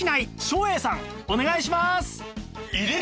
お願いします！